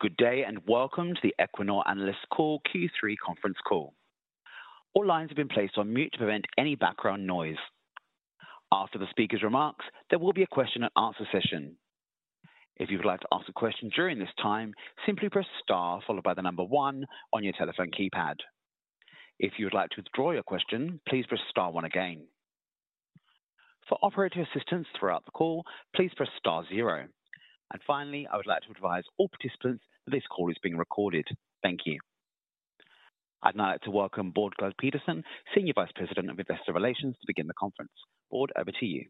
Good day, and welcome to the Equinor Analyst Call, Q3 conference call. All lines have been placed on mute to prevent any background noise. After the speaker's remarks, there will be a question and answer session. If you would like to ask a question during this time, simply press star followed by the number one on your telephone keypad. If you would like to withdraw your question, please press star one again. For operative assistance throughout the call, please press star zero. And finally, I would like to advise all participants that this call is being recorded. Thank you. I'd now like to welcome Bård Glad Pedersen, Senior Vice President of Investor Relations, to begin the conference. Bård, over to you.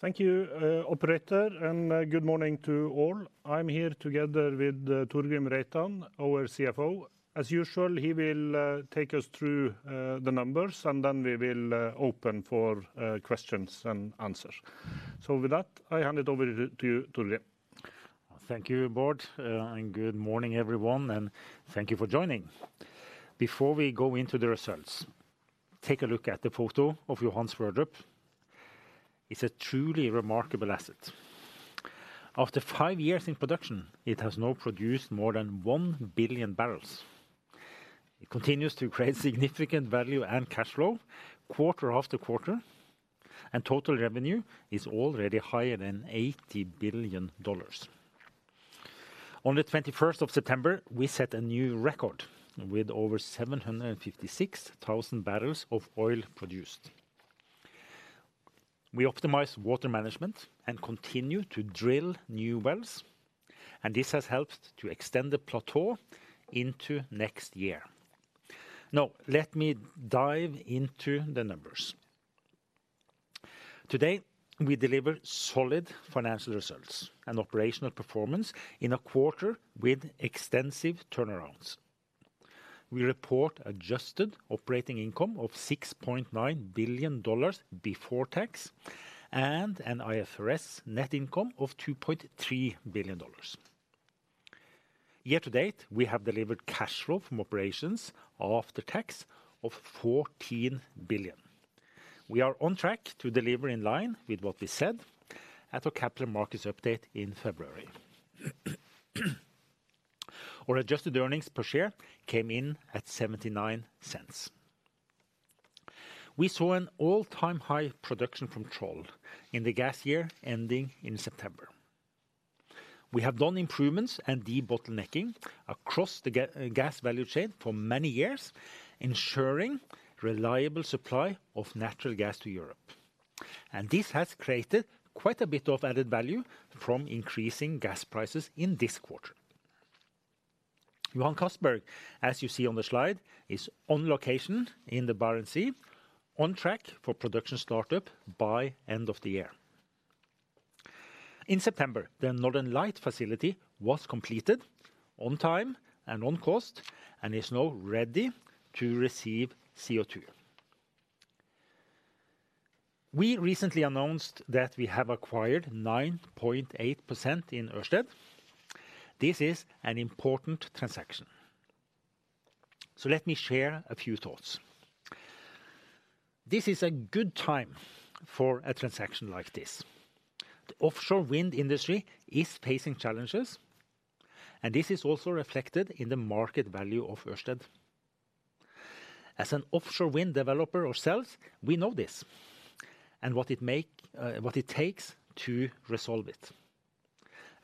Thank you, operator, and good morning to all. I'm here together with Torgrim Reitan, our CFO. As usual, he will take us through the numbers, and then we will open for questions and answers. So with that, I hand it over to you, Torgrim. Thank you, Bård, and good morning, everyone, and thank you for joining. Before we go into the results, take a look at the photo of Johan Sverdrup. It's a truly remarkable asset. After five years in production, it has now produced more than one billion barrels. It continues to create significant value and cash flow quarter after quarter, and total revenue is already higher than $80 billion. On the 21st of September, we set a new record with over 756,000 barrels of oil produced. We optimize water management and continue to drill new wells, and this has helped to extend the plateau into next year. Now, let me dive into the numbers. Today, we deliver solid financial results and operational performance in a quarter with extensive turnarounds. We report adjusted operating income of $6.9 billion before tax and an IFRS net income of $2.3 billion. Year to date, we have delivered cash flow from operations after tax of $14 billion. We are on track to deliver in line with what we said at our Capital Markets Update in February. Our adjusted earnings per share came in at $0.79. We saw an all-time high production from Troll in the gas year, ending in September. We have done improvements and debottlenecking across the gas value chain for many years, ensuring reliable supply of natural gas to Europe, and this has created quite a bit of added value from increasing gas prices in this quarter. Johan Castberg, as you see on the slide, is on location in the Barents Sea, on track for production startup by end of the year. In September, the Northern Lights facility was completed on time and on cost and is now ready to receive CO2. We recently announced that we have acquired 9.8% in Ørsted. This is an important transaction, so let me share a few thoughts. This is a good time for a transaction like this. The offshore wind industry is facing challenges, and this is also reflected in the market value of Ørsted. As an offshore wind developer ourselves, we know this, and what it takes to resolve it.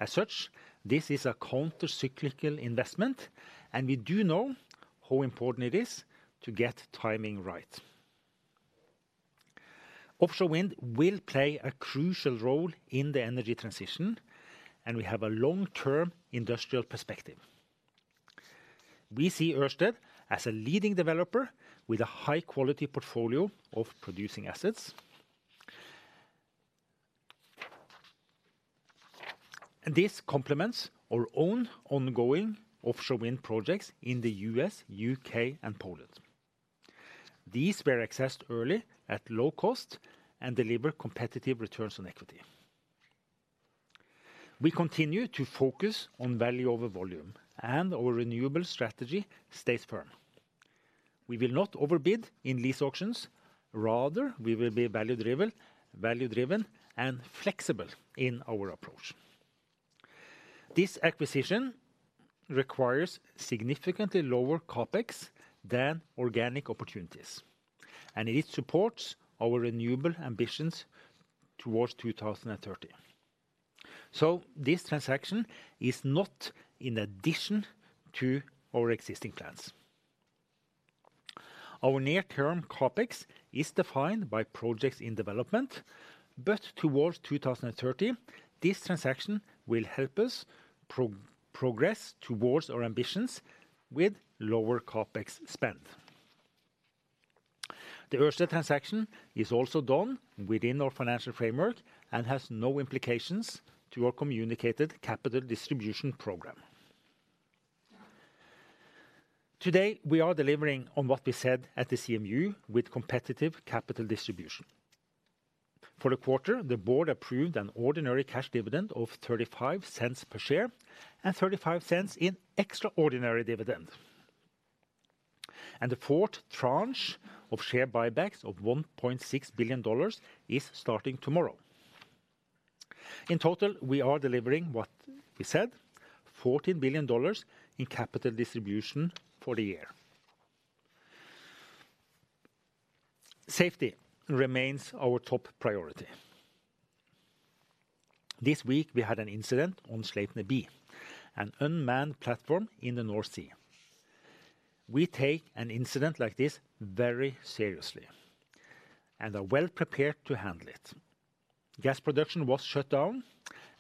As such, this is a counter-cyclical investment, and we do know how important it is to get timing right. Offshore wind will play a crucial role in the energy transition, and we have a long-term industrial perspective. We see Ørsted as a leading developer with a high-quality portfolio of producing assets. This complements our own ongoing offshore wind projects in the U.S., U.K., and Poland. These were accessed early at low cost and deliver competitive returns on equity. We continue to focus on value over volume, and our renewable strategy stays firm. We will not overbid in lease auctions. Rather, we will be value-driven, value-driven, and flexible in our approach. This acquisition requires significantly lower CapEx than organic opportunities, and it supports our renewable ambitions towards 2030. This transaction is not in addition to our existing plans. Our near-term CapEx is defined by projects in development, but towards 2030, this transaction will help us progress towards our ambitions with lower CapEx spend. The Ørsted transaction is also done within our financial framework and has no implications to our communicated capital distribution program. Today, we are delivering on what we said at the CMU with competitive capital distribution. For the quarter, the board approved an ordinary cash dividend of $0.35 per share and $0.35 in extraordinary dividend. And the fourth tranche of share buybacks of $1.6 billion is starting tomorrow. In total, we are delivering what we said, $14 billion in capital distribution for the year. Safety remains our top priority. This week, we had an incident on Sleipner B, an unmanned platform in the North Sea. We take an incident like this very seriously and are well prepared to handle it. Gas production was shut down,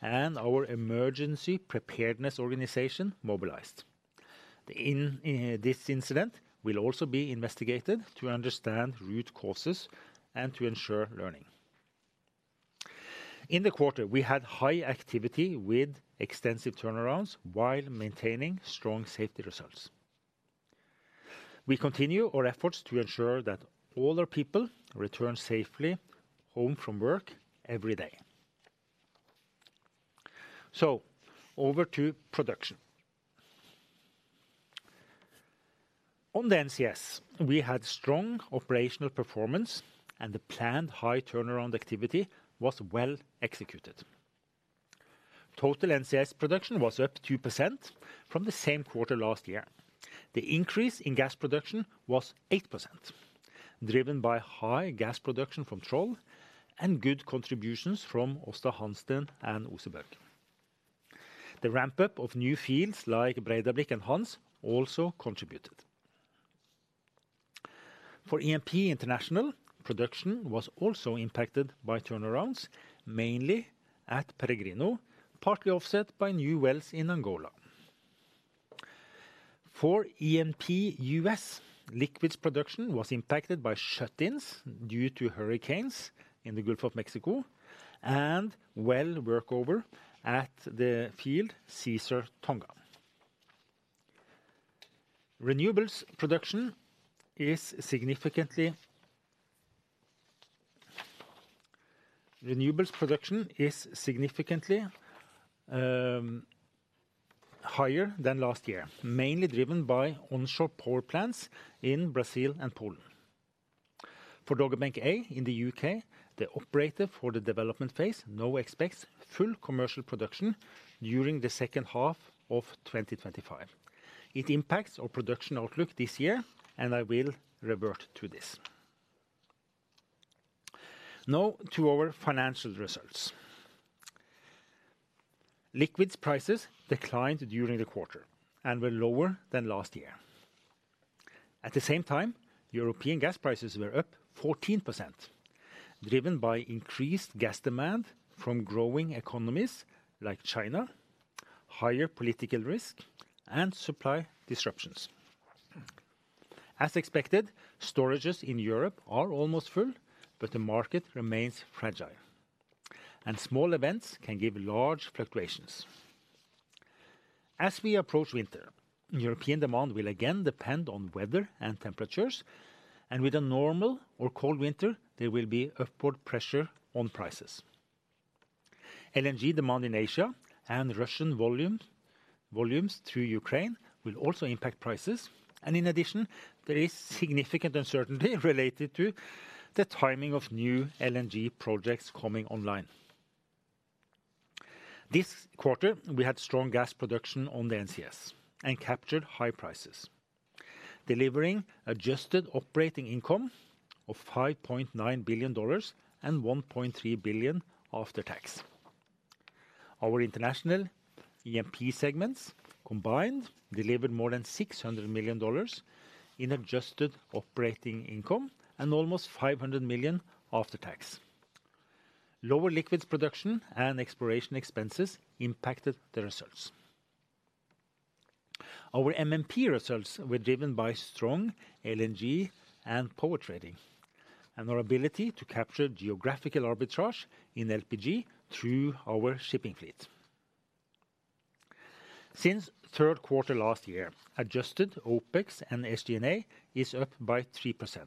and our emergency preparedness organization mobilized. In this incident will also be investigated to understand root causes and to ensure learning. In the quarter, we had high activity with extensive turnarounds while maintaining strong safety results. We continue our efforts to ensure that all our people return safely home from work every day. Over to production. On the NCS, we had strong operational performance, and the planned high turnaround activity was well executed. Total NCS production was up 2% from the same quarter last year. The increase in gas production was 8%, driven by high gas production from Troll and good contributions from Aasta Hansteen and Oseberg. The ramp-up of new fields like Breidablikk and Hanz also contributed. For E&P International, production was also impacted by turnarounds, mainly at Peregrino, partly offset by new wells in Angola. For E&P US, liquids production was impacted by shut-ins due to hurricanes in the Gulf of Mexico and well workover at the field Caesar Tonga. Renewables production is significantly higher than last year, mainly driven by onshore power plants in Brazil and Poland. For Dogger Bank A in the U.K., the operator for the development phase now expects full commercial production during the second half of 2025. It impacts our production outlook this year, and I will revert to this. Now to our financial results. Liquids prices declined during the quarter and were lower than last year. At the same time, European gas prices were up 14%, driven by increased gas demand from growing economies like China, higher political risk, and supply disruptions. As expected, storages in Europe are almost full, but the market remains fragile, and small events can give large fluctuations. As we approach winter, European demand will again depend on weather and temperatures, and with a normal or cold winter, there will be upward pressure on prices. LNG demand in Asia and Russian volume, volumes through Ukraine will also impact prices, and in addition, there is significant uncertainty related to the timing of new LNG projects coming online. This quarter, we had strong gas production on the NCS and captured high prices, delivering adjusted operating income of $5.9 billion and $1.3 billion after tax. Our international E&P segments combined delivered more than $600 million in adjusted operating income and almost $500 million after tax. Lower liquids production and exploration expenses impacted the results. Our MMP results were driven by strong LNG and power trading, and our ability to capture geographical arbitrage in LPG through our shipping fleet. Since third quarter last year, adjusted OpEx and SG&A is up by 3%.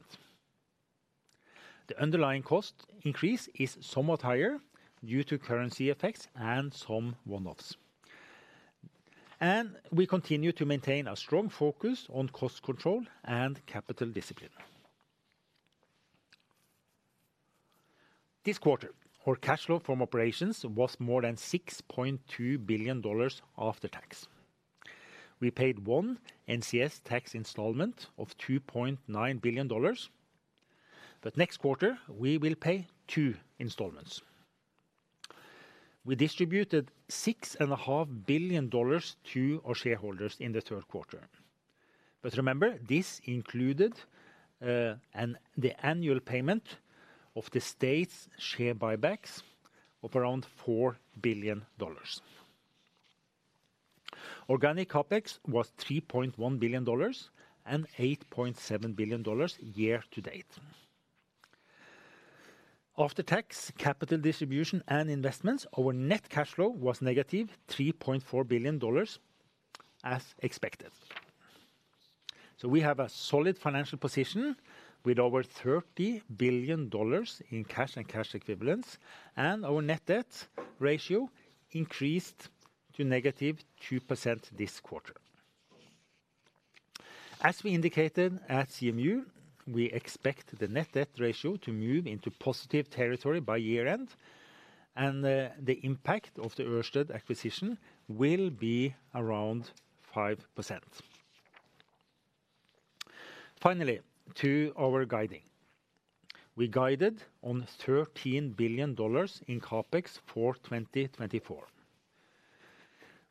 The underlying cost increase is somewhat higher due to currency effects and some one-offs. We continue to maintain a strong focus on cost control and capital discipline. This quarter, our cash flow from operations was more than $6.2 billion after tax. We paid one NCS tax installment of $2.9 billion, but next quarter we will pay two installments. We distributed $6.5 billion to our shareholders in the third quarter. Remember, this included the annual payment of the state's share buybacks of around $4 billion. Organic CapEx was $3.1 billion and $8.7 billion year to date. After tax, capital distribution, and investments, our net cash flow was negative $3.4 billion, as expected. We have a solid financial position with over $30 billion in cash and cash equivalents, and our net debt ratio increased by-... to negative 2% this quarter. As we indicated at CMU, we expect the net debt ratio to move into positive territory by year-end, and the impact of the Ørsted acquisition will be around 5%. Finally, to our guiding. We guided on $13 billion in CapEx for 2024.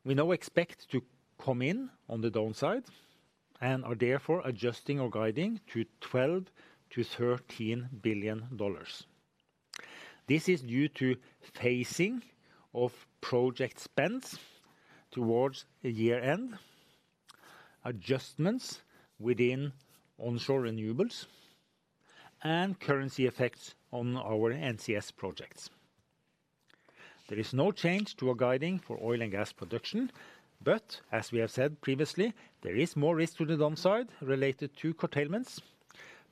We now expect to come in on the downside and are therefore adjusting our guiding to $12 billion-$13 billion. This is due to phasing of project spends towards a year-end, adjustments within onshore renewables, and currency effects on our NCS projects. There is no change to our guiding for oil and gas production, but as we have said previously, there is more risk to the downside related to curtailments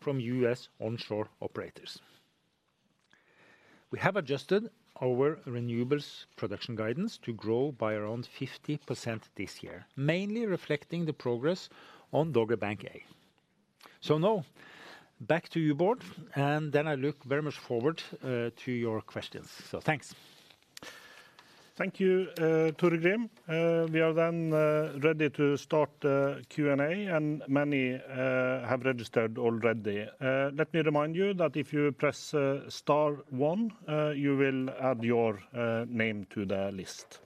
from U.S. onshore operators. We have adjusted our renewables production guidance to grow by around 50% this year, mainly reflecting the progress on Dogger Bank A. Now, back to you, Bård, and then I look very much forward to your questions. Thanks. Thank you, Torgrim. We are then ready to start Q&A, and many have registered already. Let me remind you that if you press star one, you will add your name to the list.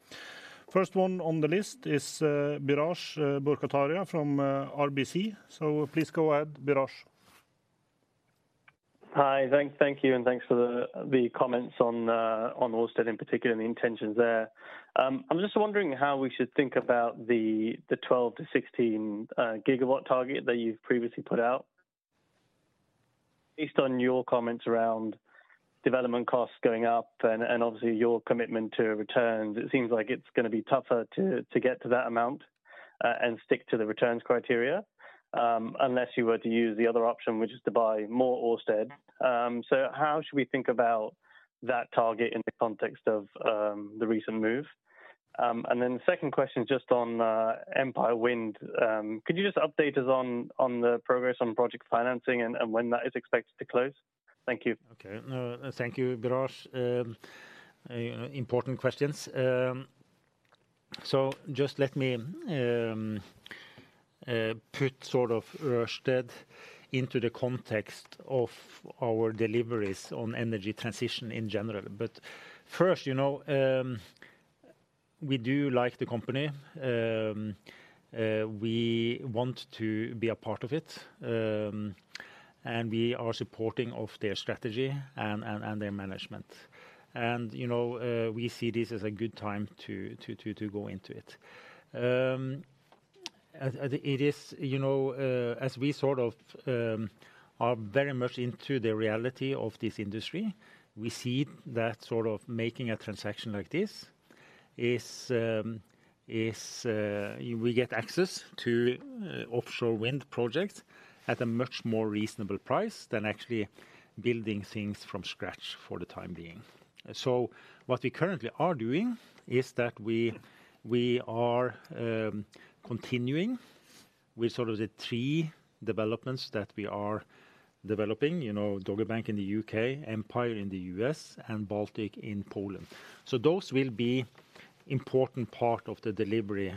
First one on the list is Biraj Borkhataria from RBC. So please go ahead, Biraj. Hi, thank you, and thanks for the comments on Ørsted in particular, and the intentions there. I'm just wondering how we should think about the 12 GW-16 GW target that you've previously put out. Based on your comments around development costs going up and obviously, your commitment to returns, it seems like it's gonna be tougher to get to that amount and stick to the returns criteria, unless you were to use the other option, which is to buy more Ørsted. So how should we think about that target in the context of the recent move? Then the second question, just on Empire Wind. Could you just update us on the progress on project financing and when that is expected to close? Thank you. Okay. Thank you, Biraj. Important questions. So just let me put sort of Ørsted into the context of our deliveries on energy transition in general. But first, you know, we do like the company. We want to be a part of it, and we are supporting of their strategy and their management. And, you know, we see this as a good time to go into it. It is, you know, as we sort of are very much into the reality of this industry, we see that sort of making a transaction like this is... We get access to offshore wind projects at a much more reasonable price than actually building things from scratch for the time being. So what we currently are doing is that we are continuing with sort of the three developments that we are developing, you know, Dogger Bank in the U.K., Empire in the U.S., and Baltic in Poland. Those will be important part of the delivery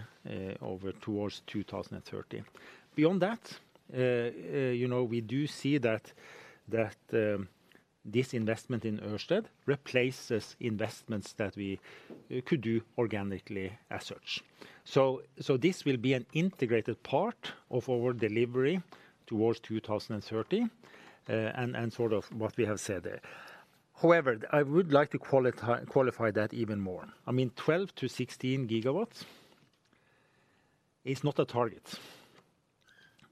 over towards two thousand and thirty. Beyond that, you know, we do see that this investment in Ørsted replaces investments that we could do organically as such. This will be an integrated part of our delivery towards two thousand and thirty, and sort of what we have said. However, I would like to qualify that even more. I mean, 12 GW-16 GW is not a target.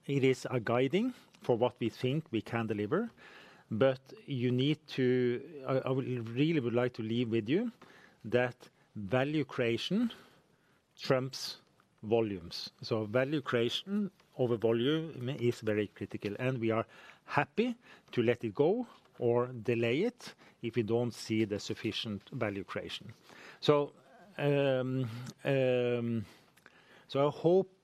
It is a guiding for what we think we can deliver, but you need to... I would really like to leave with you that value creation trumps volumes. So value creation over volume is very critical, and we are happy to let it go or delay it if we don't see the sufficient value creation. So I hope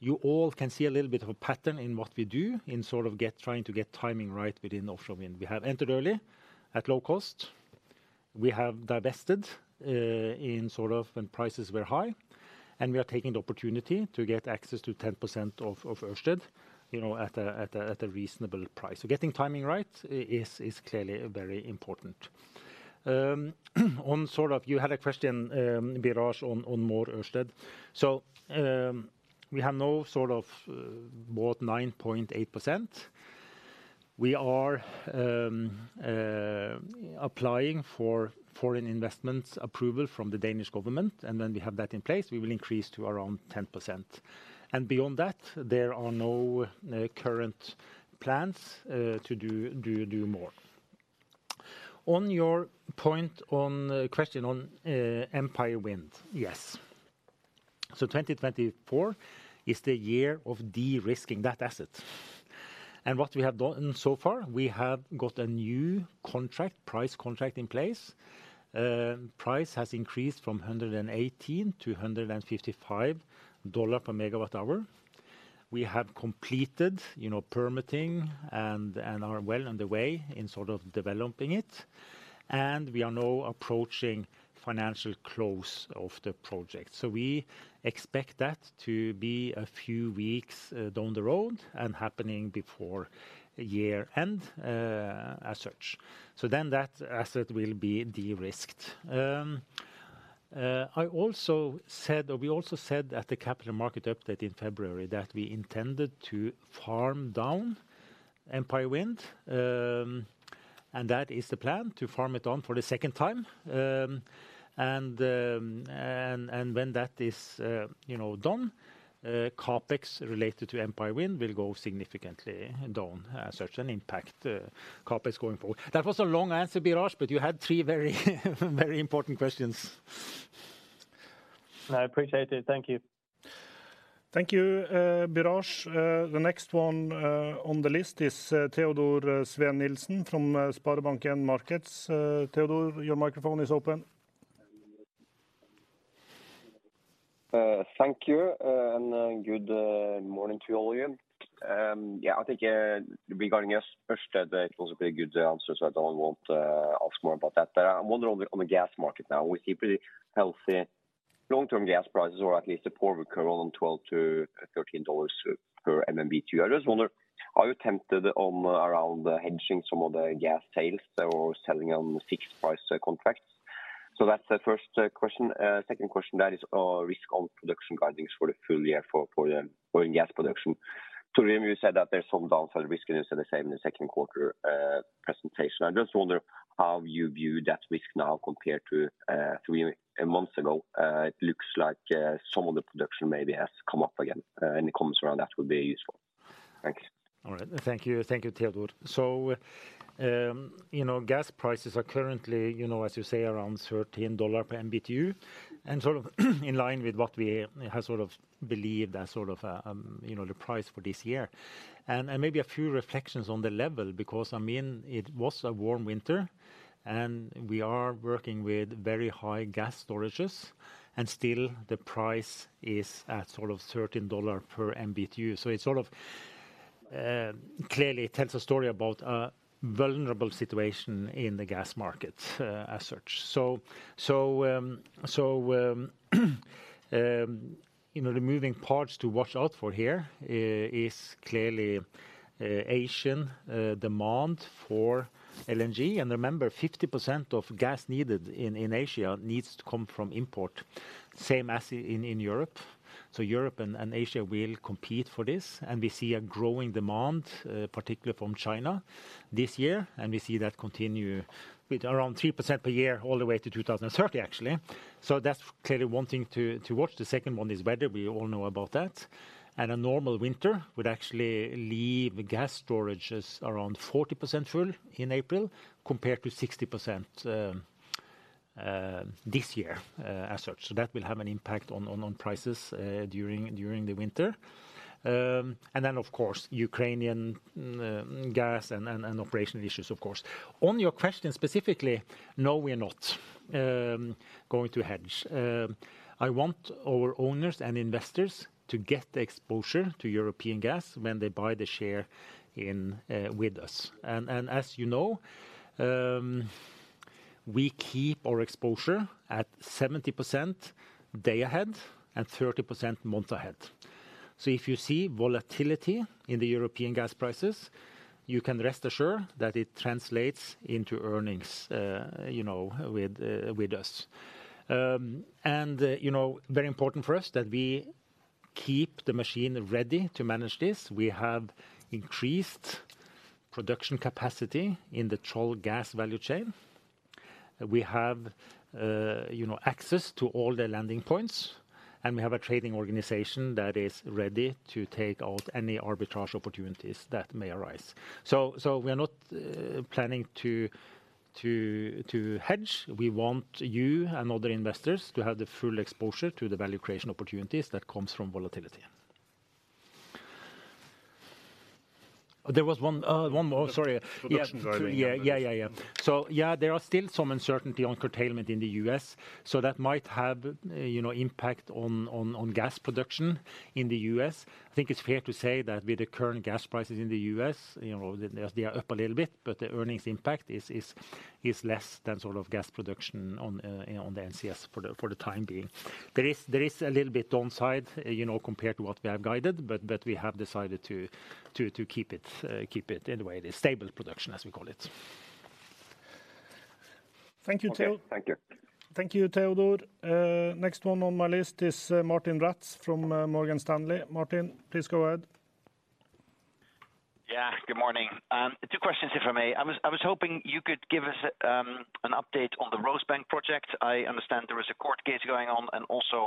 you all can see a little bit of a pattern in what we do in trying to get timing right within offshore wind. We have entered early at low cost. We have divested in sort of when prices were high, and we are taking the opportunity to get access to 10% of Ørsted, you know, at a reasonable price. So getting timing right is clearly very important. You had a question, Biraj, on more Ørsted. We have now sort of bought 9.8%. We are applying for foreign investment approval from the Danish government, and when we have that in place, we will increase to around 10%. Beyond that, there are no current plans to do more. On your point on question on Empire Wind, yeah? 2024 is the year of de-risking that asset. What we have done so far, we have got a new contract, price contract in place. Price has increased from $118 MWh-$155 MWh. We have completed, you know, permitting and are well on the way in sort of developing it, and we are now approaching financial close of the project. So we expect that to be a few weeks down the road and happening before year end, as such. So then that asset will be de-risked. I also said, or we also said at the capital market update in February, that we intended to farm down Empire Wind. And that is the plan, to farm it down for the second time. And when that is, you know, done, CapEx related to Empire Wind will go significantly down, as such an impact CapEx going forward. That was a long answer, Biraj, but you had three very, very important questions. I appreciate it. Thank you. Thank you, Biraj. The next one on the list is Teodor Sveen-Nilsen from SpareBank 1 Markets. Teodor, your microphone is open. Thank you, and good morning to all of you. Yeah, I think regarding your first, that it was a pretty good answer, so I don't want to ask more about that. But I'm wondering on the gas market now. We see pretty healthy long-term gas prices, or at least the forward curve over $12-$13 per MMBtu. I just wonder, are you tempted to do some hedging on some of the gas sales or selling on fixed price contracts? So that's the first question. Second question, what is the risk on production guidance for the full year for Equinor gas production. Torgrim, you said that there's some downside risk, and you said the same in the second quarter presentation. I just wonder how you view that risk now compared to three months ago? It looks like, some of the production maybe has come up again. Any comments around that would be useful. Thanks. All right. Thank you. Thank you, Teodor. So, you know, gas prices are currently, you know, as you say, around $13 per MMBtu, and sort of in line with what we have sort of believed as sort of, you know, the price for this year. And maybe a few reflections on the level, because, I mean, it was a warm winter, and we are working with very high gas storages, and still the price is at sort of $13 per MMBtu. So it sort of clearly tells a story about a vulnerable situation in the gas market, as such. So, you know, the moving parts to watch out for here is clearly Asian demand for LNG. And remember, 50% of gas needed in Asia needs to come from import, same as in Europe. So Europe and Asia will compete for this, and we see a growing demand, particularly from China this year, and we see that continue with around 3% per year, all the way to two thousand and thirty, actually. So that's clearly one thing to watch. The second one is weather. We all know about that. And a normal winter would actually leave gas storages around 40% full in April, compared to 60% this year, as such. So that will have an impact on prices during the winter. And then, of course, Ukrainian gas and operational issues, of course. On your question specifically, no, we are not going to hedge. I want our owners and investors to get the exposure to European gas when they buy the share in with us. And as you know, we keep our exposure at 70% day ahead and 30% month ahead. So if you see volatility in the European gas prices, you can rest assured that it translates into earnings, you know, with us. And you know, very important for us that we keep the machine ready to manage this. We have increased production capacity in the Troll gas value chain. We have you know, access to all the landing points, and we have a trading organization that is ready to take out any arbitrage opportunities that may arise. So we are not planning to hedge. We want you and other investors to have the full exposure to the value creation opportunities that comes from volatility. Production driving. Yeah. So, yeah, there are still some uncertainty on curtailment in the U.S., so that might have, you know, impact on gas production in the U.S. I think it's fair to say that with the current gas prices in the U.S., you know, they are up a little bit, but the earnings impact is less than sort of gas production on the NCS for the time being. There is a little bit downside, you know, compared to what we have guided, but we have decided to keep it, keep it the way, the stable production, as we call it. Thank you, Teodor- Thank you. Thank you, Teodor. Next one on my list is Martijn Rats from Morgan Stanley. Martin, please go ahead. Yeah. Good morning. Two questions, if I may. I was hoping you could give us an update on the Rosebank project. I understand there is a court case going on, and also....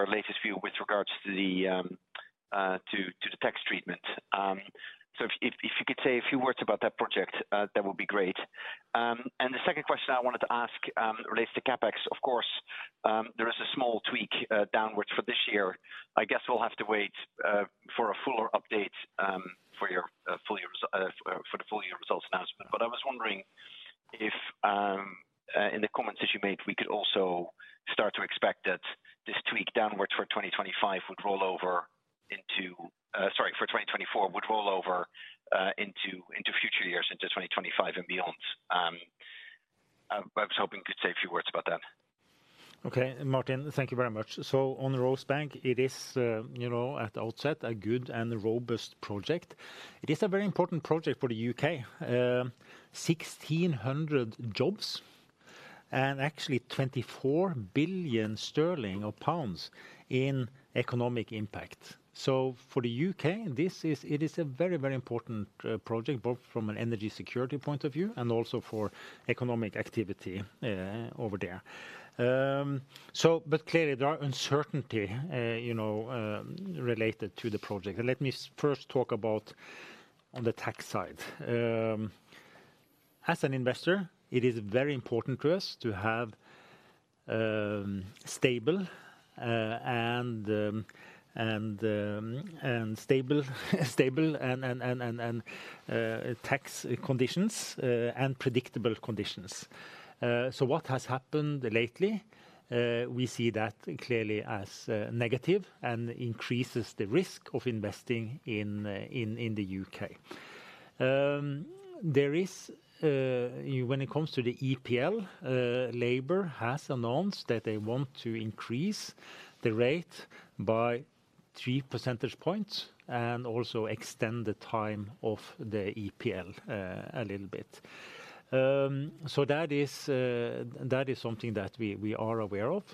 your latest view with regards to the tax treatment. So if you could say a few words about that project, that would be great. And the second question I wanted to ask relates to CapEx. Of course, there is a small tweak downwards for this year. I guess we'll have to wait for a fuller update for your full year results announcement. But I was wondering if in the comments that you made, we could also start to expect that this tweak downwards for 2025 would roll over into... Sorry, for 2024, would roll over into future years, into 2025 and beyond. I was hoping you could say a few words about that. Okay, Martijn, thank you very much. So on the Rosebank, it is, you know, at the outset, a good and robust project. It is a very important project for the UK. 1,600 jobs, and actually 24 billion sterling in economic impact. So for the UK, this is it is a very, very important project, both from an energy security point of view and also for economic activity over there. So but clearly, there are uncertainty, you know, related to the project. Let me first talk about on the tax side. As an investor, it is very important to us to have stable and predictable tax conditions. What has happened lately, we see that clearly as negative and increases the risk of investing in the U.K. When it comes to the EPL, Labour has announced that they want to increase the rate by three percentage points and also extend the time of the EPL a little bit. That is something that we are aware of.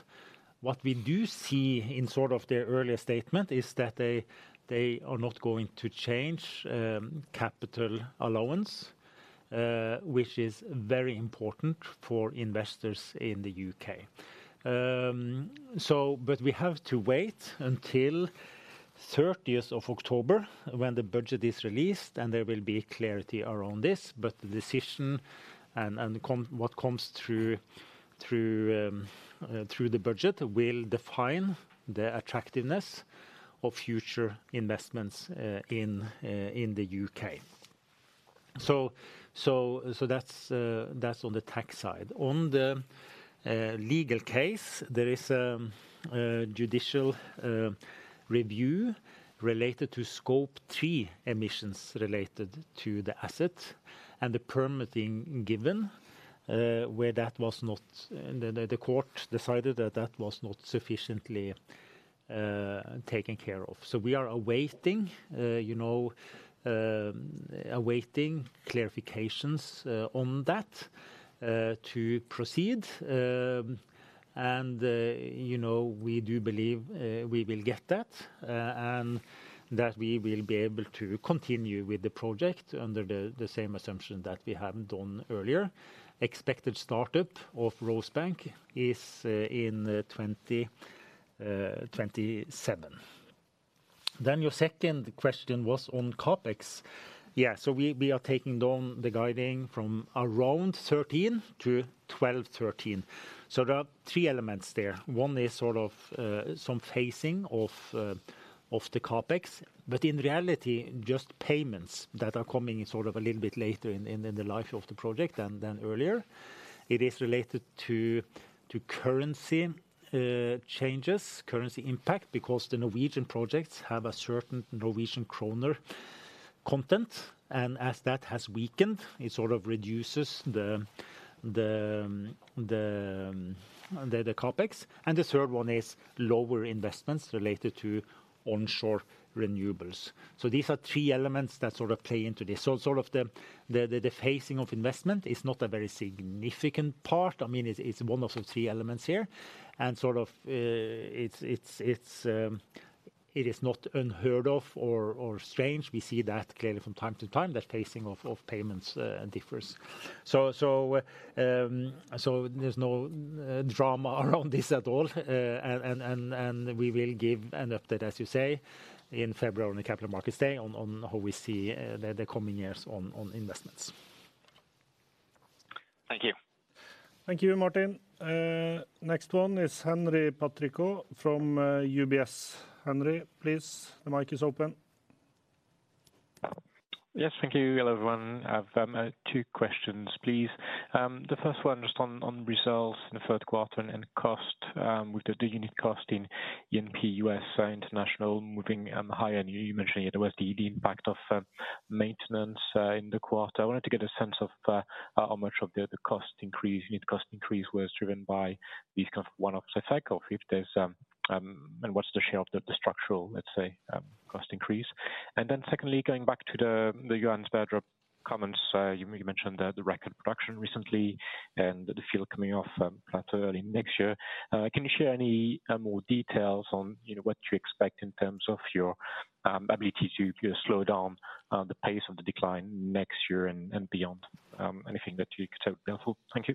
What we do see in sort of their earlier statement is that they are not going to change capital allowance, which is very important for investors in the U.K. We have to wait until the 30 of October, when the budget is released, and there will be clarity around this. But the decision and what comes through the budget will define the attractiveness of future investments in the U.K. So that's on the tax side. On the legal case, there is a judicial review related to Scope 3 emissions related to the asset and the permitting given, where the court decided that that was not sufficiently taken care of, so we are awaiting, you know, clarifications on that to proceed, and you know, we do believe we will get that, and that we will be able to continue with the project under the same assumption that we have done earlier. Expected startup of Rosebank is in 2027. Then your second question was on CapEx. Yeah, so we are taking down the guidance from around 13-12, 13. So there are three elements there. One is sort of some phasing of the CapEx, but in reality, just payments that are coming sort of a little bit later in the life of the project than earlier. It is related to currency changes, currency impact, because the Norwegian projects have a certain Norwegian kroner content, and as that has weakened, it sort of reduces the the CapEx. And the third one is lower investments related to onshore renewables. So these are three elements that sort of play into this. So sort of the phasing of investment is not a very significant part. I mean, it's one of the three elements here, and sort of, it's not unheard of or strange. We see that clearly from time to time, that phasing of payments differs, so there's no drama around this at all, and we will give an update, as you say, in February, on the Capital Markets Day, on how we see the coming years on investments. Thank you. Thank you, Martijn. Next one is Henri Patricot from UBS. Henry, please, the mic is open. Yes. Thank you, hello, everyone. I've two questions, please. The first one, just on results in the third quarter and in cost, with the unit cost in E&P, U.S., international moving higher, and you mentioning there was the impact of maintenance in the quarter. I wanted to get a sense of how much of the cost increase, unit cost increase was driven by these kind of one-off effects or if there's... And what's the share of the structural, let's say, cost increase? And then secondly, going back to the Johan Sverdrup comments, you mentioned the record production recently and the field coming off plateau early next year. Can you share any more details on, you know, what you expect in terms of your-... Ability to slow down the pace of the decline next year and beyond? Anything that you could say would be helpful. Thank you.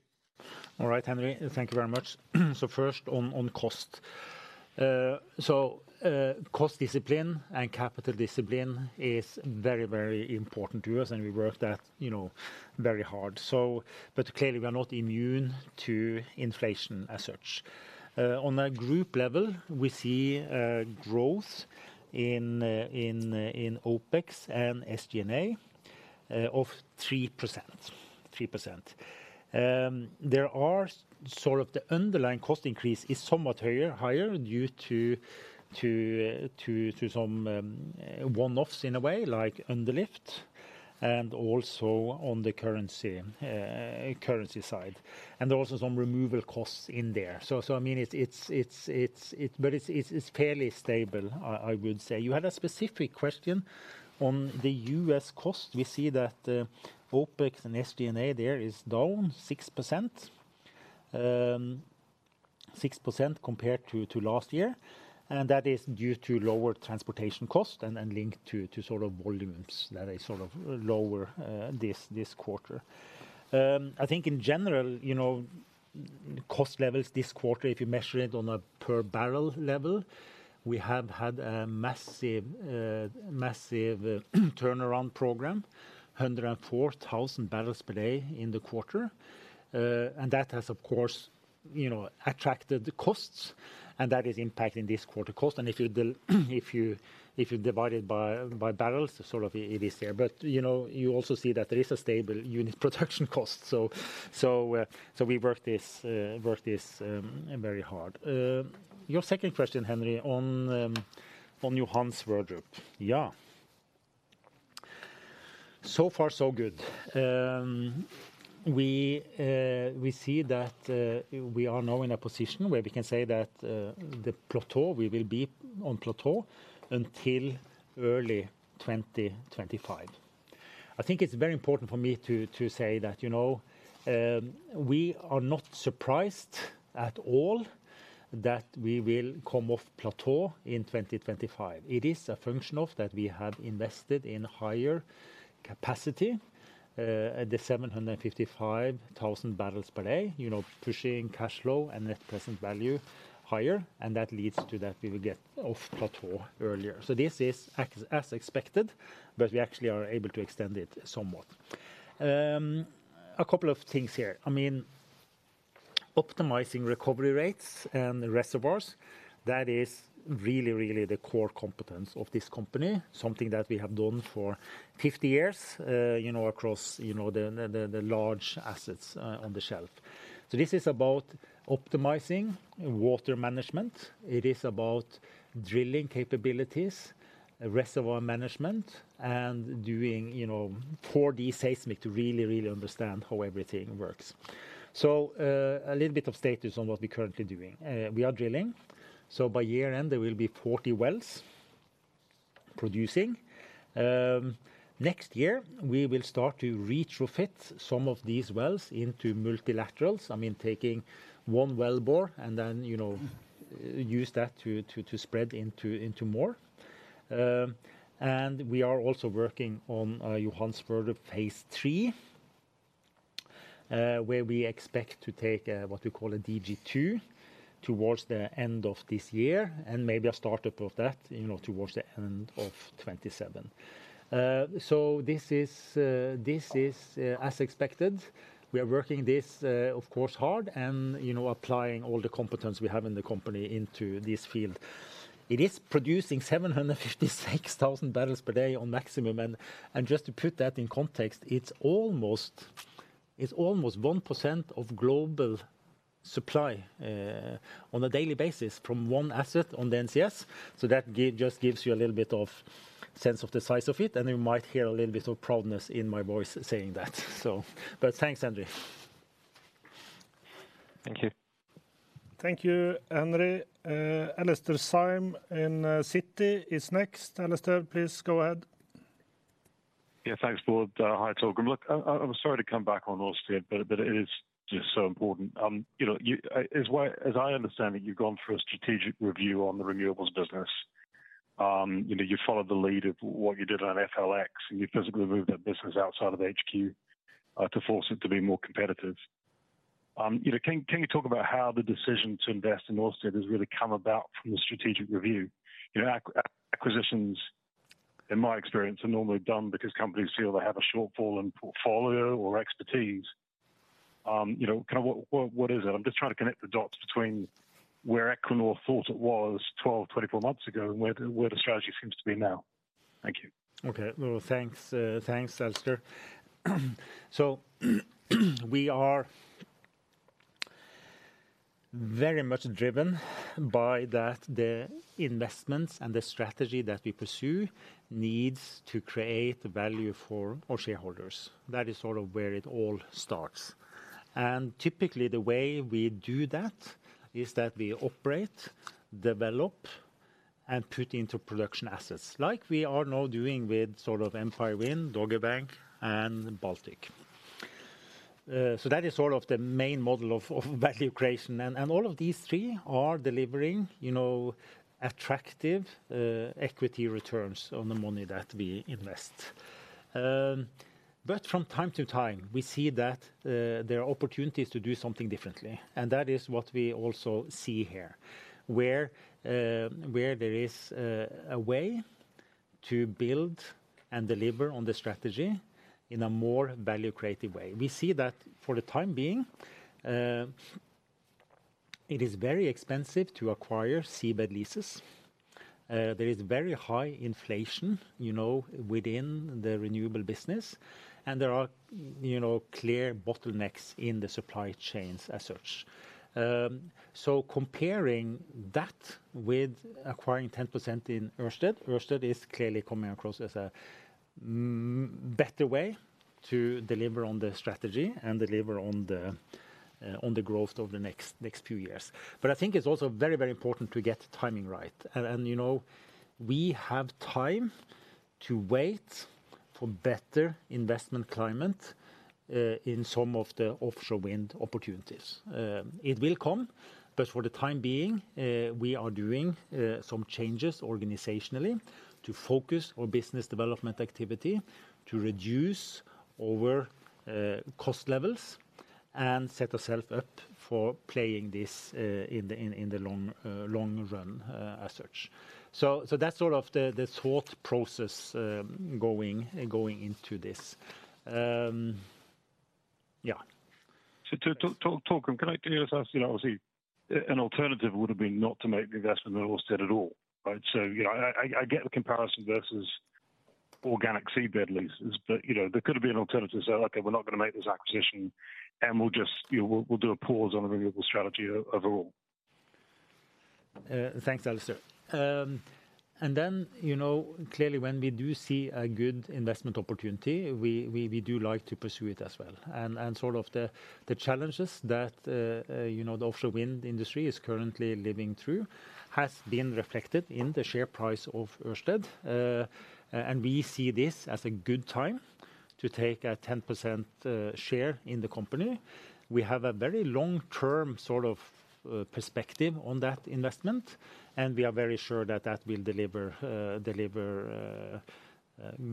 All right, Henry, thank you very much. So first on cost. Cost discipline and capital discipline is very, very important to us, and we work that, you know, very hard. But clearly we are not immune to inflation as such. On a group level, we see growth in OpEx and SG&A of 3%, 3%. There are sort of the underlying cost increase is somewhat higher due to some one-offs in a way, like underlift, and also on the currency side, and there are also some removal costs in there. I mean, it's but it's fairly stable, I would say. You had a specific question on the U.S. cost. We see that, OpEx and SG&A there is down 6%, 6% compared to last year, and that is due to lower transportation cost and linked to sort of volumes that are sort of lower this quarter. I think in general, you know, cost levels this quarter, if you measure it on a per barrel level, we have had a massive turnaround program, 104,000 barrels per day in the quarter. And that has, of course, you know, attracted the costs, and that is impacting this quarter cost. And if you divide it by barrels, sort of it is there. But, you know, you also see that there is a stable unit production cost so we work this very hard. Your second question, Henry, on Johan Sverdrup. Yeah. So far so good. We see that we are now in a position where we can say that the plateau, we will be on plateau until early 2025. I think it's very important for me to say that, you know, we are not surprised at all that we will come off plateau in 2025. It is a function of that we have invested in higher capacity at the 755,000 barrels per day, you know, pushing cash flow and net present value higher, and that leads to that we will get off plateau earlier. So this is as expected, but we actually are able to extend it somewhat. A couple of things here. I mean, optimizing recovery rates and reservoirs, that is really, really the core competence of this company, something that we have done for 50 years, you know, across the large assets on the shelf. So this is about optimizing water management. It is about drilling capabilities, reservoir management, and doing, you know, 4D seismic to really, really understand how everything works. So, a little bit of status on what we're currently doing. We are drilling, so by year-end, there will be 40 wells producing. Next year, we will start to retrofit some of these wells into multilaterals. I mean, taking one well bore and then, you know, use that to spread into more. We are also working on Johan Sverdrup phase III, where we expect to take what we call a DG2 towards the end of this year, and maybe a startup of that, you know, towards the end of 2027. This is as expected. We are working this of course hard and, you know, applying all the competence we have in the company into this field. It is producing 756,000 barrels per day on maximum. Just to put that in context, it's almost 1% of global supply on a daily basis from one asset on the NCS. That gives you a little bit of sense of the size of it, and you might hear a little bit of proudness in my voice saying that so... But thanks, Henri. Thank you. Thank you, Henri. Alastair Syme in Citi is next. Alastair, please go ahead. Yeah, thanks, Tor. Hi, Torgrim. Look, I'm sorry to come back on Ørsted, but it is just so important. You know, as what, as I understand it, you've gone through a strategic review on the renewables business. You know, you followed the lead of what you did on FLX, and you physically moved that business outside of HQ, to force it to be more competitive. You know, can you talk about how the decision to invest in Ørsted has really come about from the strategic review? You know, acquisitions, in my experience, are normally done because companies feel they have a shortfall in portfolio or expertise. You know, kind of what is it? I'm just trying to connect the dots between where Equinor thought it was twelve, twenty-four months ago and where the strategy seems to be now. Thank you. Okay. Well, thanks, Thanks, Alastair. So, we are very much driven by that the investments and the strategy that we pursue needs to create value for our shareholders. That is sort of where it all starts. And typically, the way we do that is that we operate, develop, and put into production assets like we are now doing with sort of Empire Wind, Dogger Bank, and Baltic, so that is sort of the main model of value creation. And all of these three are delivering, you know, attractive equity returns on the money that we invest. But from time to time, we see that there are opportunities to do something differently, and that is what we also see here, where there is a way to build and deliver on the strategy in a more value-creative way. We see that for the time being, it is very expensive to acquire seabed leases. There is very high inflation, you know, within the renewable business, and there are, you know, clear bottlenecks in the supply chains as such. So comparing that with acquiring 10% in Ørsted, Ørsted is clearly coming across as a better way to deliver on the strategy and deliver on the, on the growth over the next few years. But I think it's also very, very important to get the timing right, and, you know, we have time to wait for better investment climate, in some of the offshore wind opportunities. It will come, but for the time being, we are doing some changes organizationally to focus our business development activity to reduce our cost levels and set ourself up for playing this in the long run, as such. So that's sort of the thought process going into this. Yeah. So, to Torgrim, can I just ask you, obviously, an alternative would've been not to make the investment in Ørsted at all, right? So, you know, I get the comparison versus organic seabed leases, but, you know, there could have been an alternative. Say, "Okay, we're not gonna make this acquisition, and we'll just... You know, we'll do a pause on the renewable strategy overall. Thanks, Alastair. And then, you know, clearly when we do see a good investment opportunity, we do like to pursue it as well. Sort of the challenges that you know, the offshore wind industry is currently living through has been reflected in the share price of Ørsted. And we see this as a good time to take a 10% share in the company. We have a very long-term sort of perspective on that investment, and we are very sure that that will deliver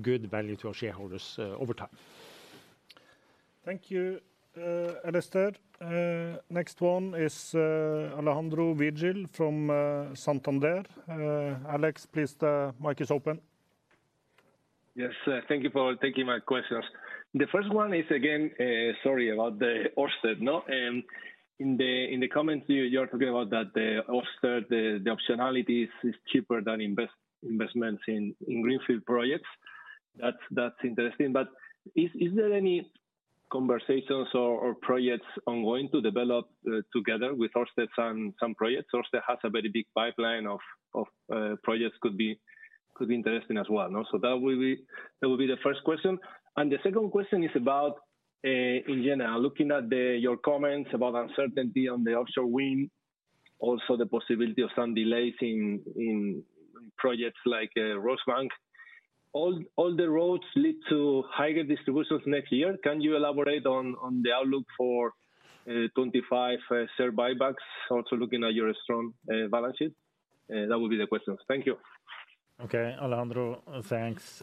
good value to our shareholders over time. Thank you, Alastair. Next one is, Alejandro Vigil from, Santander. Alex, please, the mic is open. Yes, thank you for taking my questions. The first one is, again, sorry, about the Ørsted, no? In the comments, you're talking about that the Ørsted, the optionalities is cheaper than investments in greenfield projects. That's interesting. But is there any conversations or projects ongoing to develop together with Ørsted on some projects? Ørsted has a very big pipeline of projects could be interesting as well, no? So that will be the first question. And the second question is about, in general, looking at your comments about uncertainty on the offshore wind, also the possibility of some delays in projects like Rosebank. All the roads lead to higher distributions next year. Can you elaborate on the outlook for 2025 share buybacks, also looking at your strong balance sheet? That would be the questions. Thank you. Okay, Alejandro, thanks.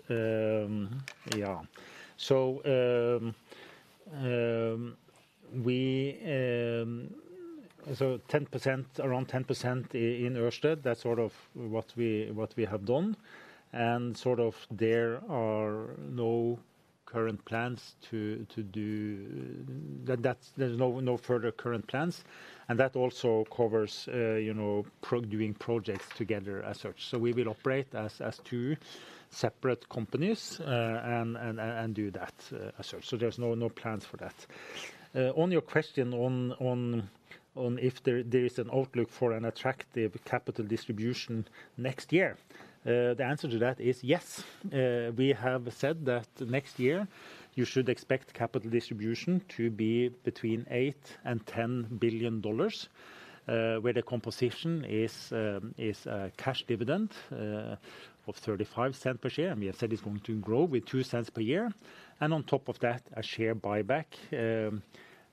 So 10%, around 10% in Ørsted, that's sort of what we have done. And sort of there are no current plans to do that. That's, there's no further current plans, and that also covers, you know, doing projects together as such. So we will operate as two separate companies, and do that as such. So there's no plans for that. On your question on if there is an outlook for an attractive capital distribution next year, the answer to that is yes. We have said that next year you should expect capital distribution to be between $8 billion and $10 billion, where the composition is cash dividend of $0.35 per share, and we have said it's going to grow with $0.02 per year. On top of that, a share buyback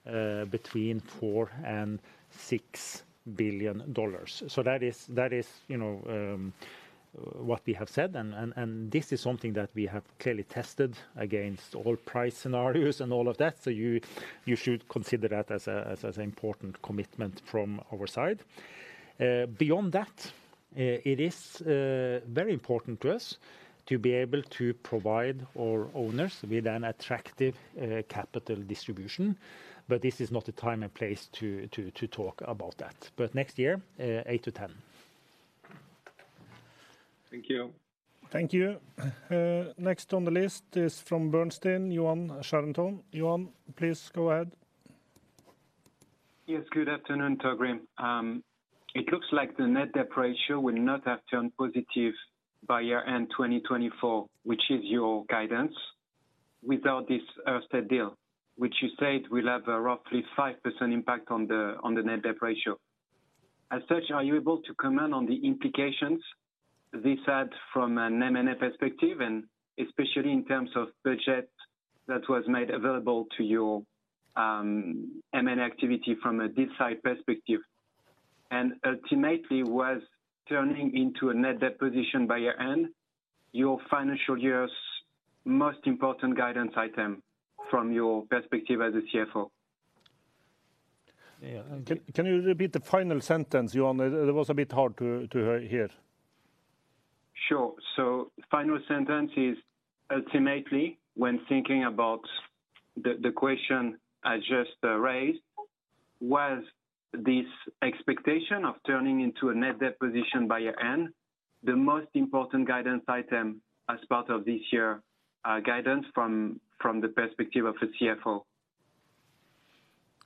between $4 billion and $6 billion. That is, you know, what we have said, and this is something that we have clearly tested against all price scenarios and all of that, so you should consider that as an important commitment from our side. Beyond that, it is very important to us to be able to provide our owners with an attractive capital distribution, but this is not the time and place to talk about that. But next year, eight to 10. Thank you. Thank you. Next on the list is from Bernstein, Yoann Charenton. Johan, please go ahead. Yes, good afternoon, Torgrim. It looks like the net debt ratio will not have turned positive by year-end twenty twenty-four, which is your guidance, without this Ørsted deal, which you said will have a roughly 5% impact on the net debt ratio.... As such, are you able to comment on the implications this had from an M&A perspective, and especially in terms of budget that was made available to your M&A activity from a side perspective? And ultimately, was turning into a net debt position by year-end your financial year's most important guidance item from your perspective as a CFO? Yeah, can you repeat the final sentence, Yoann? It was a bit hard to hear. Sure. So the final sentence is, ultimately, when thinking about the question I just raised, was this expectation of turning into a net debt position by your end, the most important guidance item as part of this year's guidance from the perspective of a CFO?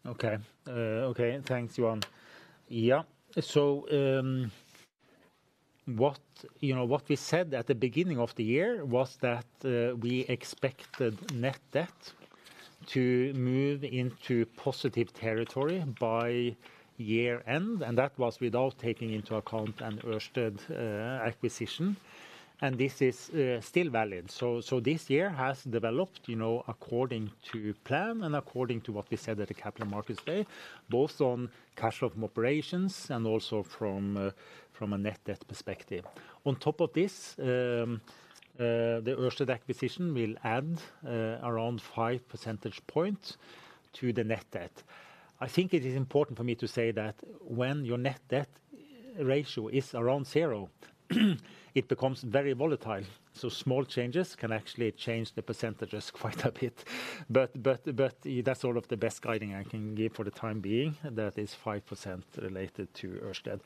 Okay. Okay, thanks, Johan. Yeah, so, what, you know, what we said at the beginning of the year was that, we expected net debt to move into positive territory by year-end, and that was without taking into account an Ørsted acquisition, and this is, still valid. So, so this year has developed, you know, according to plan and according to what we said at the Capital Markets Day, both on cash flow from operations and also from, from a net debt perspective. On top of this, the Ørsted acquisition will add, around five percentage points to the net debt. I think it is important for me to say that when your net debt ratio is around zero, it becomes very volatile. So small changes can actually change the percentages quite a bit. That's sort of the best guiding I can give for the time being, that is 5% related to Ørsted.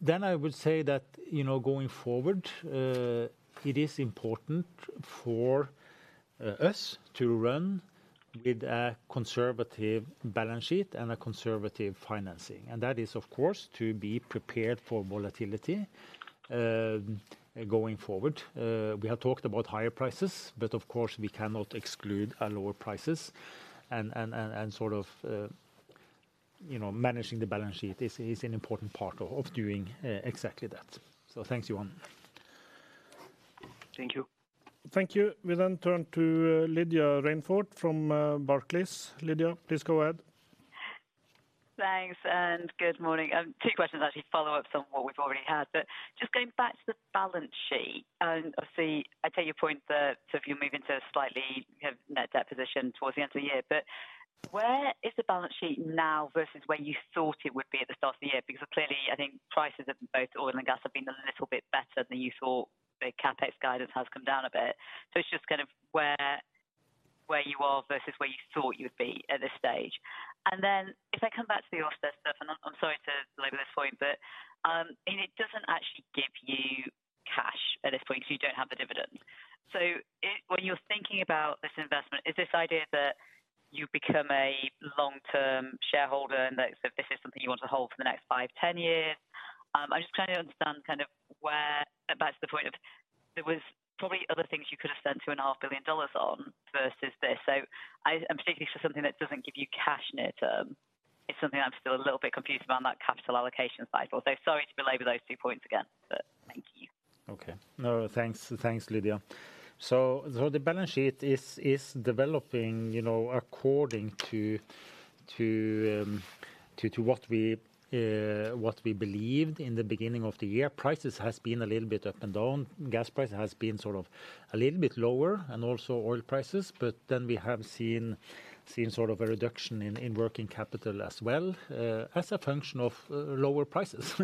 Then I would say that, you know, going forward, it is important for us to run with a conservative balance sheet and a conservative financing, and that is, of course, to be prepared for volatility going forward. We have talked about higher prices, but of course, we cannot exclude our lower prices. Sort of, you know, managing the balance sheet is an important part of doing exactly that. So thank you, Yoann. Thank you. Thank you. We then turn to Lydia Rainforth from Barclays. Lydia, please go ahead. Thanks, and good morning. Two questions, actually follow-ups on what we've already had. But just going back to the balance sheet, and obviously, I take your point that so if you're moving to a slightly, you know, net debt position towards the end of the year, but where is the balance sheet now versus where you thought it would be at the start of the year? Because clearly, I think prices of both oil and gas have been a little bit better than you thought. The CapEx guidance has come down a bit, so it's just kind of where you are versus where you thought you'd be at this stage. And then if I come back to the Ørsted stuff, and I'm sorry to belabor this point, but, and it doesn't actually give you cash at this point, so you don't have the dividends. So it... When you're thinking about this investment, is this idea that you become a long-term shareholder, and that so this is something you want to hold for the next five, 10 years? I just trying to understand kind of where, back to the point of, there was probably other things you could have spent $2.5 billion on versus this. So, particularly for something that doesn't give you cash net, it's something I'm still a little bit confused about, on that capital allocation side. Also, sorry to belabor those two points again, but thank you. Okay. No, thanks. Thanks, Lydia. So the balance sheet is developing, you know, according to what we believed in the beginning of the year. Prices has been a little bit up and down. Gas price has been sort of a little bit lower and also oil prices, but then we have seen sort of a reduction in working capital as well, as a function of lower prices,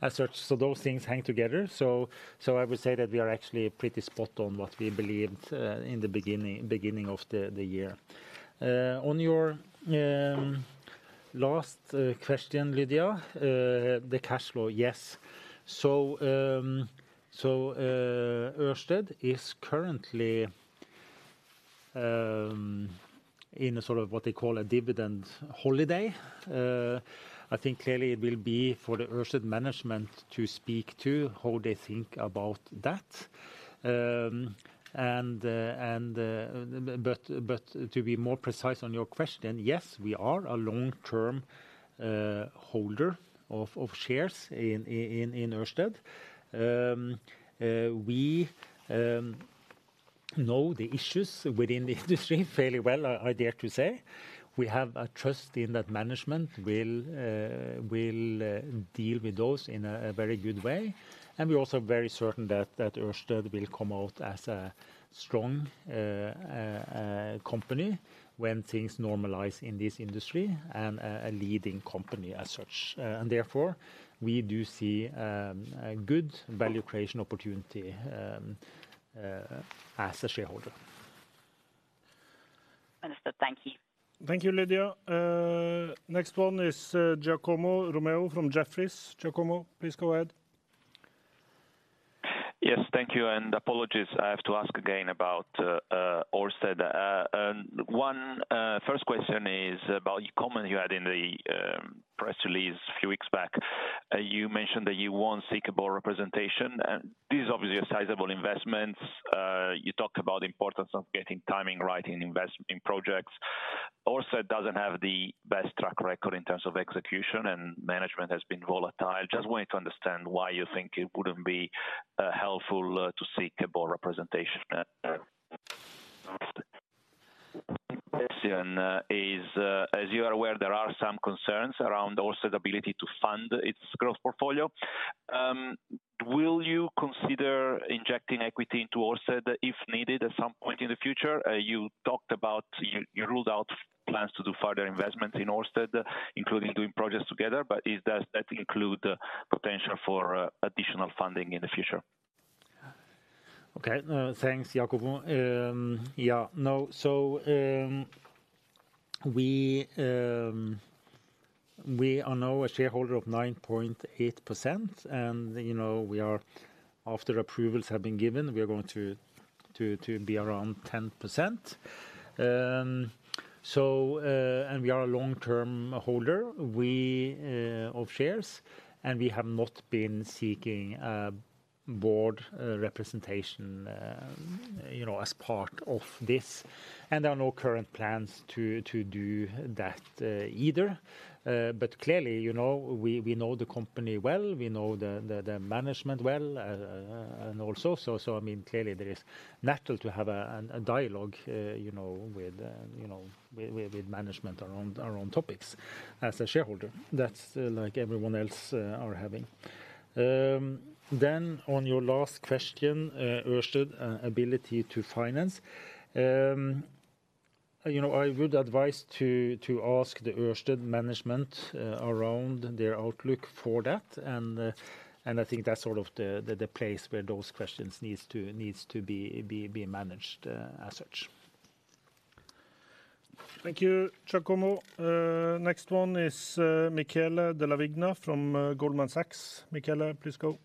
as such. So those things hang together. So I would say that we are actually pretty spot on what we believed in the beginning of the year. On your last question, Lydia, the cash flow. Yes. So Ørsted is currently in a sort of what they call a dividend holiday. I think clearly it will be for the Ørsted management to speak to how they think about that. To be more precise on your question, yes, we are a long-term holder of shares in Ørsted. We know the issues within the industry fairly well, I dare to say. We have a trust in that management will deal with those in a very good way. We are also very certain that Ørsted will come out as a strong company when things normalize in this industry, and a leading company as such. Therefore, we do see a good value creation opportunity as a shareholder. Understood. Thank you. Thank you, Lydia. Next one is Giacomo Romeo from Jefferies. Giacomo, please go ahead. Yes, thank you, and apologies. I have to ask again about Ørsted. First question is about a comment you had in the press release a few weeks back-... you mentioned that you want stakeholder representation, and this is obviously a sizable investment. You talked about the importance of getting timing right in investment in projects. Also, it doesn't have the best track record in terms of execution, and management has been volatile. Just wanted to understand why you think it wouldn't be helpful to seek a board representation? Next question is, as you are aware, there are some concerns around Ørsted's ability to fund its growth portfolio. Will you consider injecting equity into Ørsted if needed at some point in the future? You talked about you ruled out plans to do further investments in Ørsted, including doing projects together, but is that include the potential for additional funding in the future? Okay, thanks, Giacomo. Yeah, no. So, we are now a shareholder of 9.8%, and, you know, we are, after approvals have been given, we are going to be around 10%. So, and we are a long-term holder of shares, and we have not been seeking a board representation, you know, as part of this, and there are no current plans to do that either. But clearly, you know, we know the company well, we know the management well, and also, so I mean, clearly there is natural to have a dialogue, you know, with management around topics as a shareholder. That's like everyone else are having. Then on your last question, Ørsted ability to finance. You know, I would advise to ask the Ørsted management around their outlook for that, and I think that's sort of the place where those questions needs to be managed as such. Thank you, Giacomo. Next one is, Michele Della Vigna from Goldman Sachs. Michele, please go.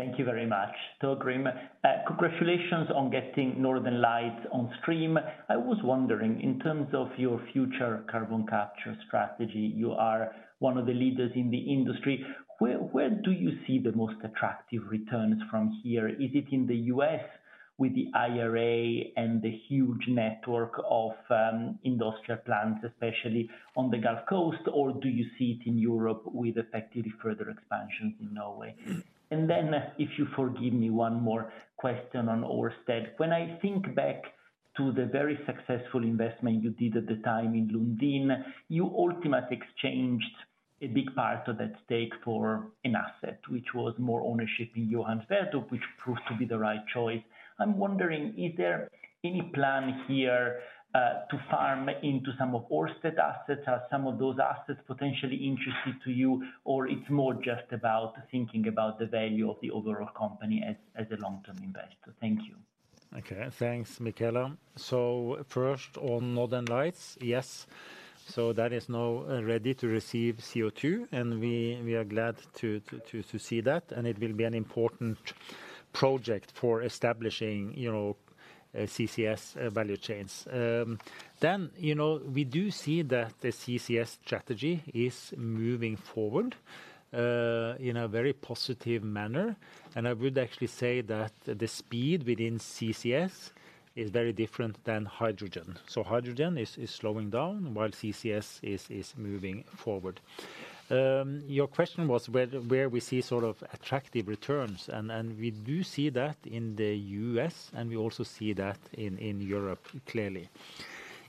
Thank you very much, Torgrim. Congratulations on getting Northern Lights on stream. I was wondering, in terms of your future carbon capture strategy, you are one of the leaders in the industry. Where, where do you see the most attractive returns from here? Is it in the U.S. with the IRA and the huge network of industrial plants, especially on the Gulf Coast, or do you see it in Europe with effectively further expansion in Norway? And then if you forgive me, one more question on Ørsted. When I think back to the very successful investment you did at the time in Lundin, you ultimately exchanged a big part of that stake for an asset, which was more ownership in Johan Sverdrup, which proved to be the right choice. I'm wondering, is there any plan here to farm into some of Ørsted assets? Are some of those assets potentially interesting to you, or it's more just about thinking about the value of the overall company as, as a long-term investor? Thank you. Okay. Thanks, Michele. So first, on Northern Lights, yes, so that is now ready to receive CO2, and we are glad to see that, and it will be an important project for establishing, you know, CCS value chains. Then, you know, we do see that the CCS strategy is moving forward in a very positive manner, and I would actually say that the speed within CCS is very different than hydrogen. So hydrogen is slowing down while CCS is moving forward. Your question was where we see sort of attractive returns, and we do see that in the U.S., and we also see that in Europe, clearly.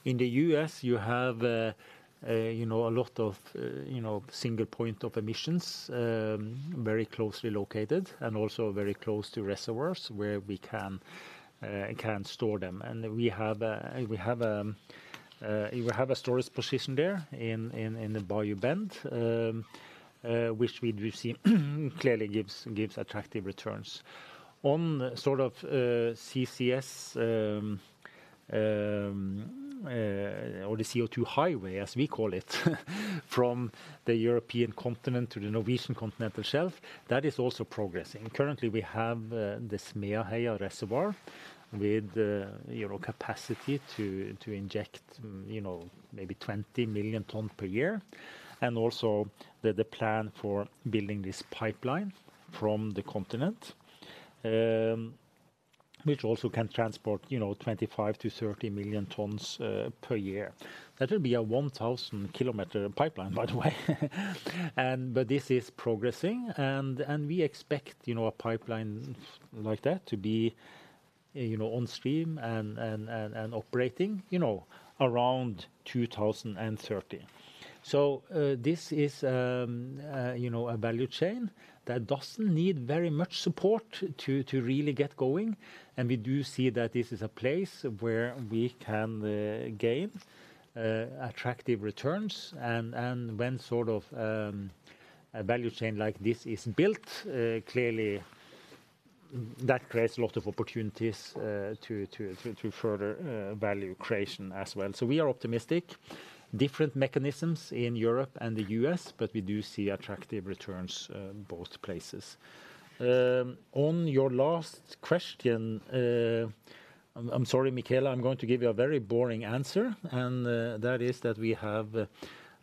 In the U.S., you have, you know, a lot of, you know, single point of emissions, very closely located and also very close to reservoirs where we can store them. We have a storage position there in the Bayou Bend, which we've received clearly gives attractive returns. On sort of CCS, or the CO2 highway, as we call it, from the European continent to the Norwegian Continental Shelf, that is also progressing. Currently, we have the Smeaheia reservoir with, you know, capacity to inject, you know, maybe 20 million ton per year, and also the plan for building this pipeline from the continent, which also can transport, you know, 25 million-30 million tons per year. That will be a 1000 km pipeline, by the way. But this is progressing, and we expect, you know, a pipeline like that to be on stream and operating, you know, around 2030. This is a value chain that doesn't need very much support to really get going, and we do see that this is a place where we can gain attractive returns, and when sort of a value chain like this is built, clearly that creates a lot of opportunities to further value creation as well. We are optimistic. Different mechanisms in Europe and the U.S., but we do see attractive returns both places. On your last question, I'm sorry, Michele, I'm going to give you a very boring answer, and that is that we have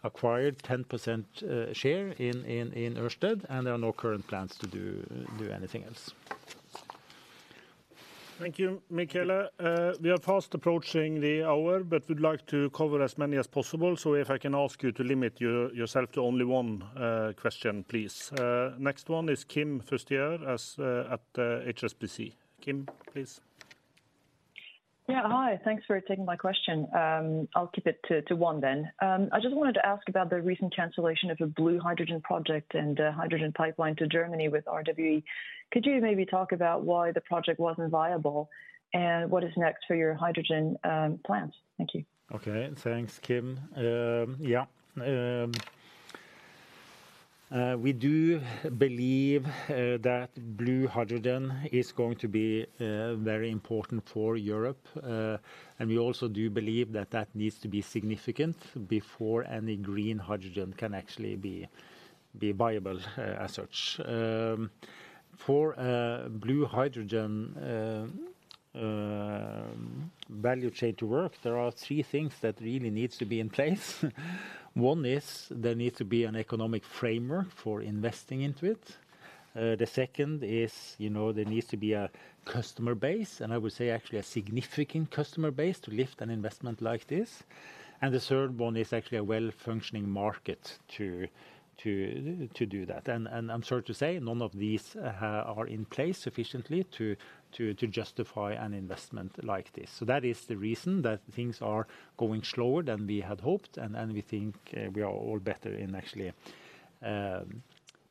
acquired 10% share in Ørsted, and there are no current plans to do anything else. ... Thank you, Michele. We are fast approaching the hour, but we'd like to cover as many as possible, so if I can ask you to limit yourself to only one question, please. Next one is Kim Fustier at HSBC. Kim, please. Yeah, hi. Thanks for taking my question. I'll keep it to one then. I just wanted to ask about the recent cancellation of the blue hydrogen project and hydrogen pipeline to Germany with RWE. Could you maybe talk about why the project wasn't viable, and what is next for your hydrogen plans? Thank you. Okay. Thanks, Kim. Yeah, we do believe that blue hydrogen is going to be very important for Europe. And we also do believe that that needs to be significant before any green hydrogen can actually be viable as such. For blue hydrogen value chain to work, there are three things that really needs to be in place. One is there needs to be an economic framework for investing into it. The second is, you know, there needs to be a customer base, and I would say actually a significant customer base to lift an investment like this. And the third one is actually a well-functioning market to do that. And I'm sorry to say, none of these are in place sufficiently to justify an investment like this. So that is the reason that things are going slower than we had hoped, and then we think we are all better in actually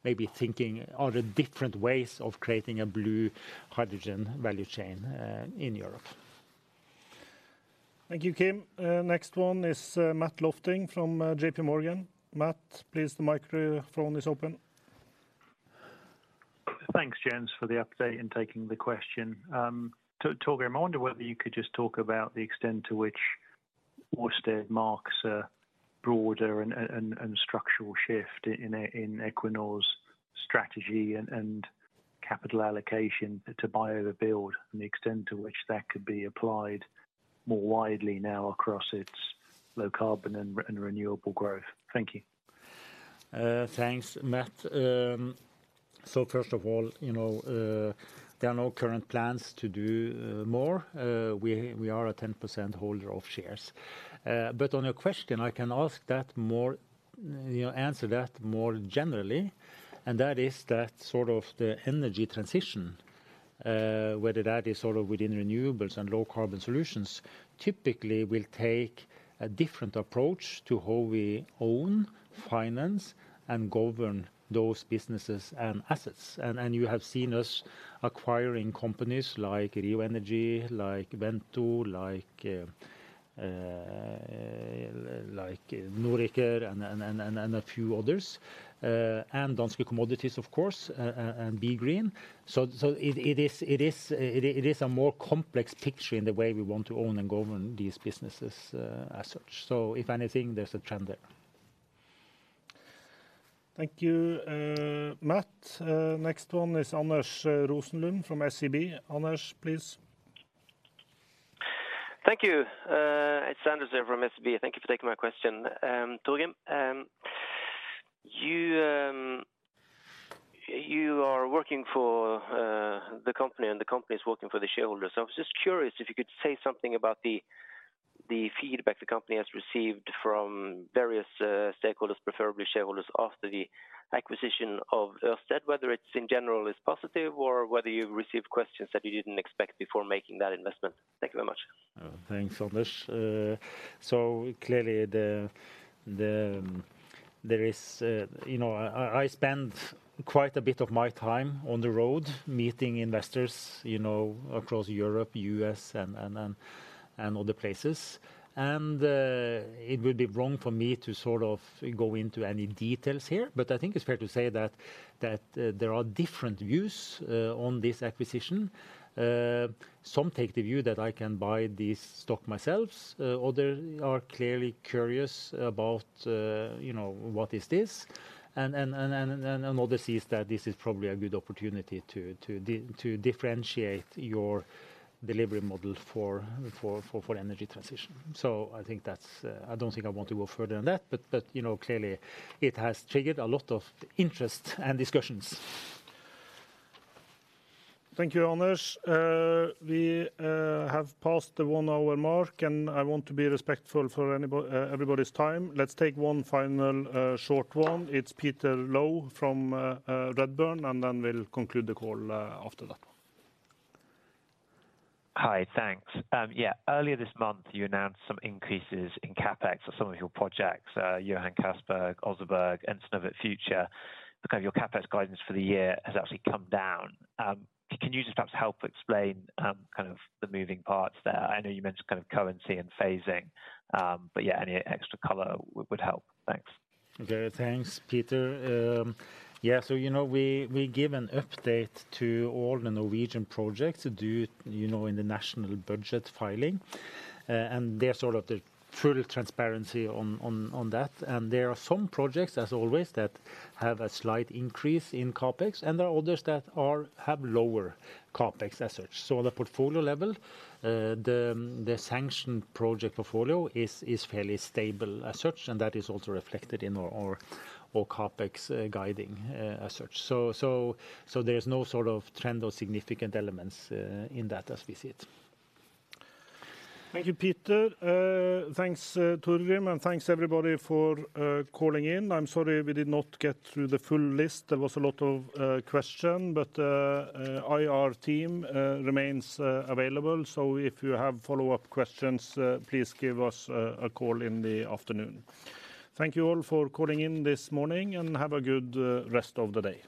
maybe thinking other different ways of creating a blue hydrogen value chain in Europe. Thank you, Kim. Next one is Matthew Lofting from J.P. Morgan. Matthew, please, the microphone is open. Thanks, Jens, for the update and taking the question. Torgrim, I wonder whether you could just talk about the extent to which Ørsted marks a broader and structural shift in Equinor's strategy and capital allocation to buy over build, and the extent to which that could be applied more widely now across its low carbon and renewable growth. Thank you. Thanks, Matthew. So first of all, you know, there are no current plans to do more. We are a 10% holder of shares. But on your question, I can ask that more, you know, answer that more generally, and that is that sort of the energy transition, whether that is sort of within renewables and low carbon solutions, typically will take a different approach to how we own, finance, and govern those businesses and assets. And you have seen us acquiring companies like Rio Energy, like Wento, like Noriker and a few others, and Danske Commodities, of course, and BeGreen. So it is a more complex picture in the way we want to own and govern these businesses, as such. So if anything, there's a trend there. Thank you, Matt. Next one is Anders Rosenlund from SEB. Anders, please. Thank you. It's Anders here from SEB. Thank you for taking my question, Torgrim. You are working for the company, and the company is working for the shareholders. I was just curious if you could say something about the feedback the company has received from various stakeholders, preferably shareholders, after the acquisition of Ørsted, whether it's in general it's positive or whether you've received questions that you didn't expect before making that investment? Thank you very much. Thanks, Anders. So clearly there is. You know, I spend quite a bit of my time on the road meeting investors, you know, across Europe, U.S., and other places. It would be wrong for me to sort of go into any details here, but I think it's fair to say that there are different views on this acquisition. Some take the view that I can buy this stock myself. Others are clearly curious about, you know, what is this? And others see that this is probably a good opportunity to differentiate your delivery model for energy transition. So I think that's. I don't think I want to go further on that, but you know, clearly it has triggered a lot of interest and discussions. Thank you, Anders. We have passed the one-hour mark, and I want to be respectful for everybody's time. Let's take one final short one. It's Peter Low from Redburn, and then we'll conclude the call after that. Hi, thanks. Yeah, earlier this month, you announced some increases in CapEx for some of your projects, Johan Castberg, Oseberg, and Snøhvit Future, because your CapEx guidance for the year has actually come down. Can you just perhaps help explain kind of the moving parts there? I know you mentioned kind of currency and phasing, but yeah, any extra color would help. Thanks. Okay. Thanks, Peter. Yeah, so you know, we give an update to all the Norwegian projects due, you know, in the national budget filing, and they're sort of the full transparency on that. And there are some projects, as always, that have a slight increase in CapEx, and there are others that are... have lower CapEx as such. So on the portfolio level, the sanctioned project portfolio is fairly stable as such, and that is also reflected in our CapEx guiding as such. So there's no sort of trend or significant elements in that as we see it. Thank you, Peter. Thanks, Torgrim, and thanks, everybody, for calling in. I'm sorry we did not get through the full list. There was a lot of question, but our team remains available, so if you have follow-up questions, please give us a call in the afternoon. Thank you all for calling in this morning, and have a good rest of the day.